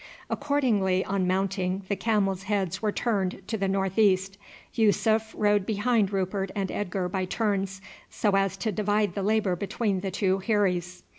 Accordingly, on mounting, the camels' heads were turned to the north east. Yussuf rode behind Rupert and Edgar by turns, so as to divide the labour between the two heiries.